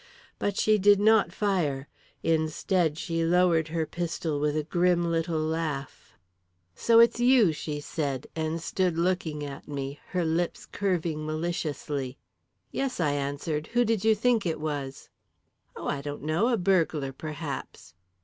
But she did not fire. Instead, she lowered her pistol with a grim little laugh. "So it's you!" she said, and stood looking at me, her lips curving maliciously. "Yes," I answered. "Who did you think it was?" "Oh, I don't know. A burglar, perhaps."